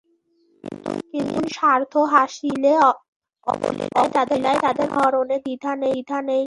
কিন্তু হীন স্বার্থ হাসিলে অবলীলায় তাদের প্রাণ হরণে দ্বিধা নেই কারও।